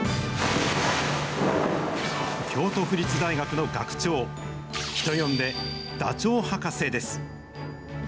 京都府立大学の学長、人呼んでダチョウ博士です。